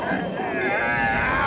udah jangan gelap